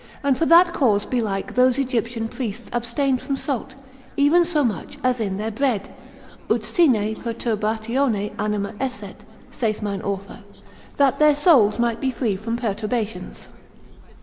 And for that cause belike those Egyptian priests abstained from salt, even so much, as in their bread, ut sine perturbatione anima esset, saith mine author, that their souls might be free from perturbations.